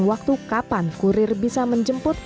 waktu kapan kurir bisa menjemput